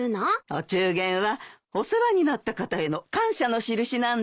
お中元はお世話になった方への感謝の印なんだよ。